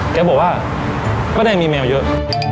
แกบอกว่าป๊าแดงมีแมวเยอะ